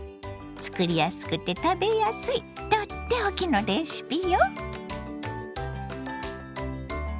作りやすくて食べやすいとっておきのレシピよ。